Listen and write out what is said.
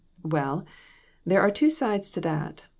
" "Well, there are two sides to that.